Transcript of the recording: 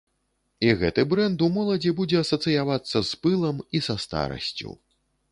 І гэты брэнд у моладзі будзе асацыявацца з пылам і са старасцю.